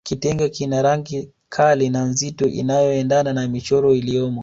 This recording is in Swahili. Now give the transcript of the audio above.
Kitenge kina rangi kali na nzito inayoendana na michoro iliyomo